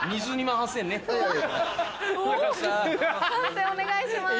判定お願いします。